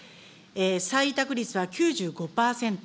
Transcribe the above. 再委託率は９５％。